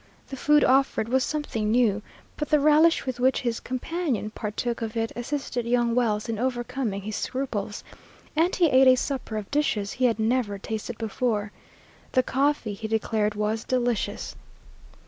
The food offered was something new, but the relish with which his companion partook of it assisted young Wells in overcoming his scruples, and he ate a supper of dishes he had never tasted before. The coffee he declared was delicious.